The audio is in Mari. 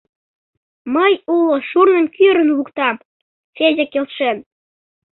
Мый уло шурным кӱрын луктам, — Федя келшен.